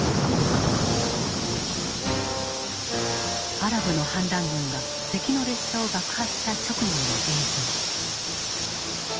アラブの反乱軍が敵の列車を爆破した直後の映像。